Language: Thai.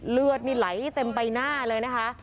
เลือดนี่ไหลเต็มใบหน้าเลยนะคะ